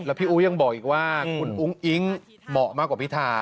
พี่อุ๊ยยังบอกอีกว่าคุณอุ้งอิ๊งเหมาะมากกว่าพิธา